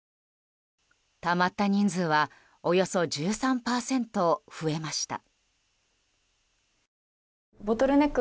たまった人数はおよそ１３％増えました。